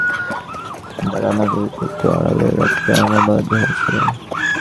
বহু শতাব্দীর বহু ঘটনা বিপর্যয়ের দ্বারা নারীদিগকে একটু আড়ালে রাখিতে আমরা বাধ্য হইয়াছি।